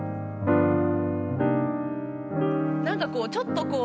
何かちょっとこう。